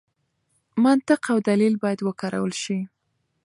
منطق او دلیل باید وکارول شي.